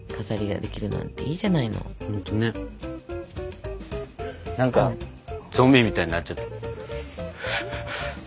なんかゾンビみたいになっちゃった。